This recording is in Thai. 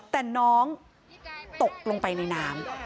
แต่น้องตกลงไปในน้ำ